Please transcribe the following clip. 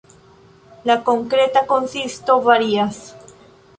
La konkreta konsisto varias.